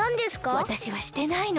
わたしはしてないの。